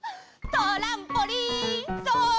トランポリン！